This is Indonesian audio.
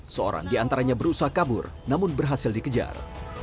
seorang diantaranya berusaha kabur namun berhasil dikejar